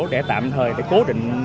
để tạm thời cố định